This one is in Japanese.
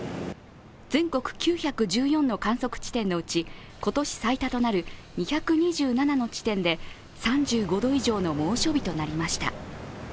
全国９１４の観測地点のうち今年最多となる２２７の地点で３５度以上の猛暑日となりました。